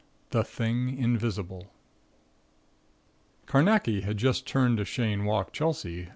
6 THE THING INVISIBLE Carnacki had just returned to Cheyne Walk, Chelsea.